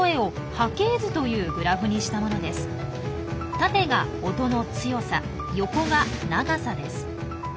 縦が音の強さ横が長さです。